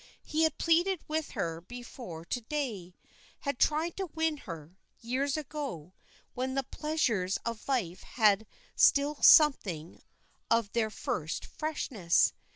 He had pleaded with her before to day, had tried to win her, years ago, when the pleasures of life had still something of their first freshness.